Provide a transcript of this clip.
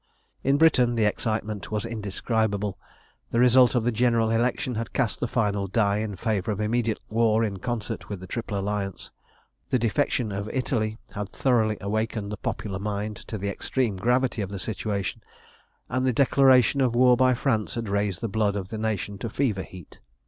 In Britain the excitement was indescribable. The result of the general election had cast the final die in favour of immediate war in concert with the Triple Alliance. The defection of Italy had thoroughly awakened the popular mind to the extreme gravity of the situation, and the declaration of war by France had raised the blood of the nation to fever heat.